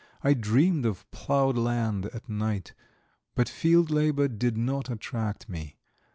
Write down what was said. I dreamed of ploughed land at night. But field labour did not attract me.